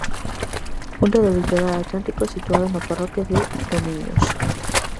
Punta do litoral atlántico situada na parroquia de Doniños.